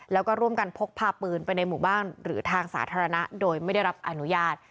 แล้วก็ร่วมกันพกพาปืนไปในหมู่บ้านหรือทางสาธารณะโดยไม่ได้รับอนุญาต